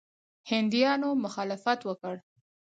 هندیانو مخالفت وکړ.